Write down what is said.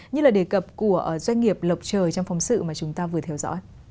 như là đề cập của doanh nghiệp lộc trời trong phóng sự mà chúng ta vừa theo dõi